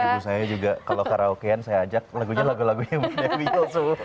ibu saya juga kalau karaokean saya ajak lagunya lagu lagunya mbak dewi yul